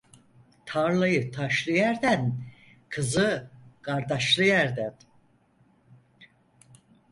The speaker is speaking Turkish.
Tarlayı taşlı yerden, kızı kardaşlı yerden.